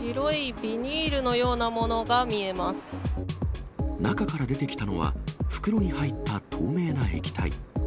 白いビニールのようなものが見え中から出てきたのは、袋に入った透明な液体。